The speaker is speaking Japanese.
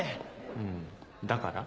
うんだから？